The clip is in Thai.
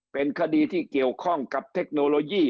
เป็นคดีที่เกี่ยวข้องกับเทคโนโลยี